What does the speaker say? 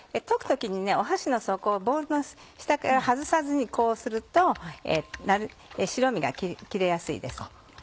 溶く時に箸の底をボウルの下から外さずにこうすると白身が切れやすいです。